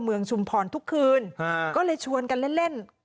เมืองชุมพรทุกคืนก็เลยชวนกันเล่น